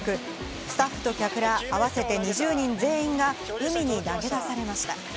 スタッフと客ら合わせて、２０人全員が海に投げ出されました。